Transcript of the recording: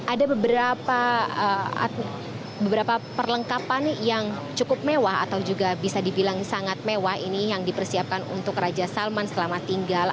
ada beberapa perlengkapan yang cukup mewah atau juga bisa dibilang sangat mewah ini yang dipersiapkan untuk raja salman selama tinggal